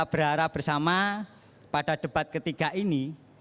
kita berharap bersama pada debat ketiga ini